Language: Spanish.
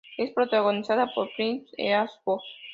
Es protagonizada por Clint Eastwood.